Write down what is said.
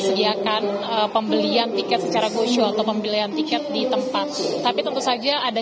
itu disediakan pembelian tiket secara gosho atau pembelian tiket di tempat tapi tentu saja ada